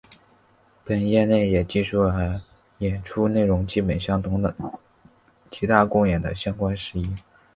本页内也记述了演出内容基本相同的其他公演的相关事项。